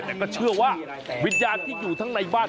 แต่ก็เชื่อว่าวิญญาณที่อยู่ทั้งในบ้าน